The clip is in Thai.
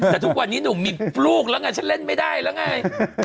แต่ทุกวันนี้หนุ่มมีลูกแล้วไงฉันเล่นไม่ได้แล้วไง